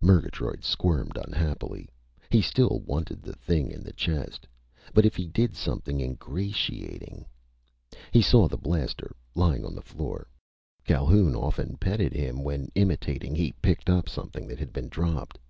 Murgatroyd squirmed unhappily. He still wanted the thing in the chest. But if he did something ingratiating.... He saw the blaster, lying on the floor. Calhoun often petted him when, imitating, he picked up something that had been dropped.